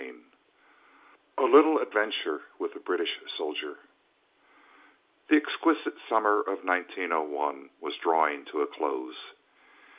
CHAPTER X A LITTLE ADVENTURE WITH THE BRITISH SOLDIER The exquisite summer of 1901 was drawing to a close.